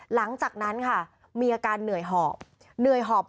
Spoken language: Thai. หลังจากนั้นค่ะมีอาการเหนื่อยหอบ